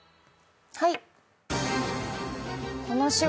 はい。